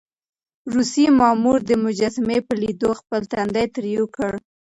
روسي مامور د مجسمې په ليدو خپل تندی تريو کړ.